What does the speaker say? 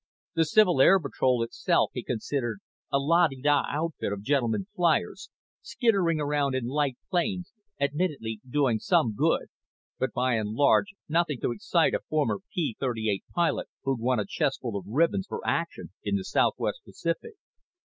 The Civil Air Patrol itself he considered a la de da outfit of gentleman flyers, skittering around in light planes, admittedly doing some good, but by and large nothing to excite a former P 38 pilot who'd won a chestful of ribbons for action in the Southwest Pacific.